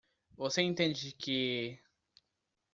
Você entende que?